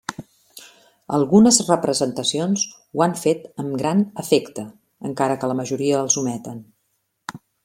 Algunes representacions ho han fet amb gran efecte, encara que la majoria els ometen.